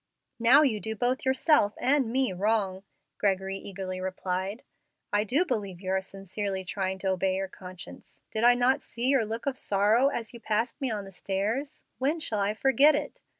"Now you do both yourself and me wrong," Gregory eagerly replied. "I do believe you are sincerely trying to obey your conscience. Did I not see your look of sorrow as you passed me on the stairs? when shall I forget it!